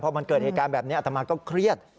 พอมันเกิดเหตุการณ์แบบนี้อัตมาก็เครียด